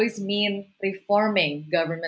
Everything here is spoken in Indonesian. agar mereka bisa menjalankan